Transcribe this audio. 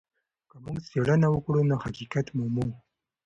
که موږ څېړنه وکړو نو حقيقت مومو.